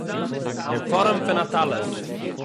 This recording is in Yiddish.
אין פאָרעם פון אַ טלית